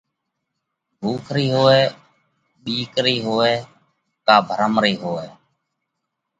ڀُوک رئِي هوئہ، ٻِيڪ رئِي هوئہ ڪا ڀرم رئِي هوئہ۔